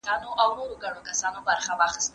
ډېر هېوادونه لا هم د وروسته پاته والي سره مخ دي.